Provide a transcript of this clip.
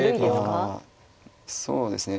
そうですね